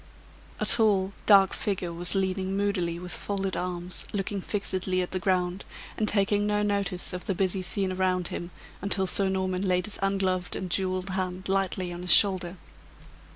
A tall, dark figure was leaning moodily with folded arms, looking fixedly at the ground, and taking no notice of the busy scene around him until Sir Norman laid his ungloved and jeweled hand lightly on his shoulder.